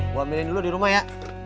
gue ambilin dulu dirumah ya